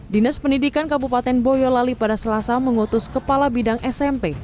dinas pendidikan kabupaten boyolali pada selasa mengutus kepala bidang smp